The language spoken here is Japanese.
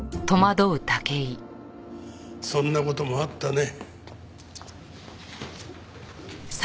そんな事もあったね。